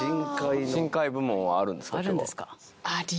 深海部門はあるんですか？